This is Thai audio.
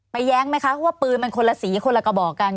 แย้งไหมคะว่าปืนมันคนละสีคนละกระบอกกัน